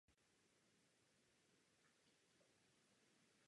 Byl synem hudebního skladatele Jakuba Jany Ryby.